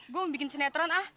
gue mau bikin sinetron ah